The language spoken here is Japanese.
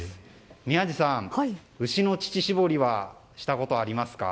宮司さん、牛の乳搾りはしたことありますか。